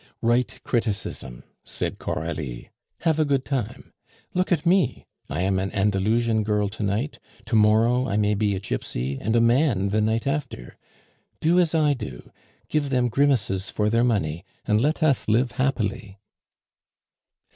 "Write criticism," said Coralie, "have a good time! Look at me, I am an Andalusian girl to night, to morrow I may be a gypsy, and a man the night after. Do as I do, give them grimaces for their money, and let us live happily."